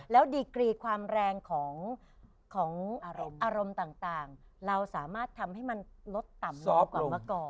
แล้วดีกรีความแรงของอารมณ์ต่างเราสามารถทำให้มันลดต่ำลงกว่าเมื่อก่อน